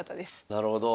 なるほど。